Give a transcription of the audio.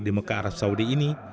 di mekah arab saudi ini